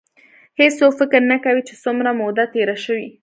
هېڅوک فکر نه کوي چې څومره موده تېره شي.